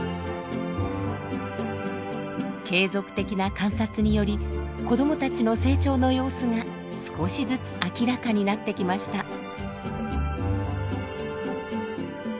継続的な観察により子どもたちの成長の様子が少しずつ明らかになってきました。